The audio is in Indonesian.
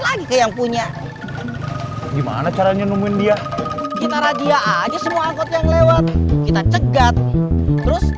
lagi ke yang punya gimana caranya nemuin dia kita rajia aja semua angkot yang lewat kita cegat terus